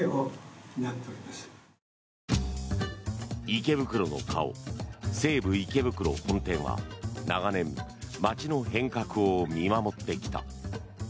池袋の顔、西武池袋本店は長年、街の変革を見守ってきた。